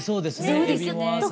そうですね。